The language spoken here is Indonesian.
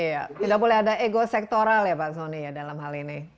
iya tidak boleh ada ego sektoral ya pak soni ya dalam hal ini